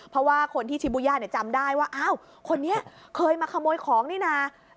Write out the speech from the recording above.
เพราะว่าคนที่ชิบูย่าจำได้ว่าอ้าวคนนี้เคยมาขโมยของนี่นะ